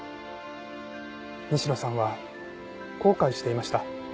西野さんは後悔していました。